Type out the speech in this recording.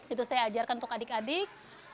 itu saya ajarkan untuk adik adik